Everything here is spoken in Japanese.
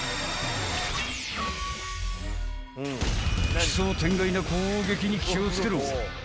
［奇想天外な攻撃に気を付けろ］